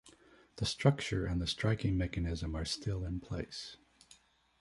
The structure and the striking mechanism are still in place.